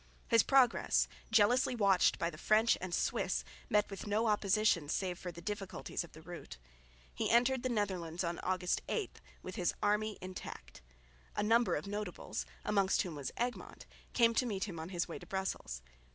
His progress, jealously watched by the French and Swiss, met with no opposition save for the difficulties of the route. He entered the Netherlands on August 8, with his army intact. A number of notables, amongst whom was Egmont, came to meet him on his way to Brussels.